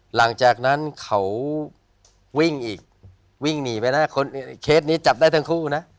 หลังจากนั้นเขาวิ่งอีกวิ่งหนีไปได้เคสนี้จับได้ทั้งคู่นะ